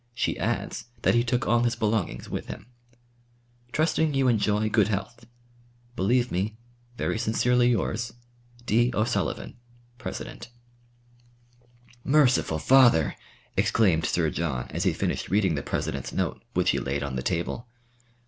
She adds that he took all his belongings with him. Trusting you enjoy good health. "Believe me, "Very sincerely yours, "D. O'SULLIVAN, Pres." "Merciful Father!" exclaimed Sir John, as he finished reading the President's note, which he laid on the table.